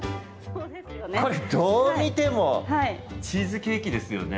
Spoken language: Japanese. これ、どう見てもチーズケーキですよね。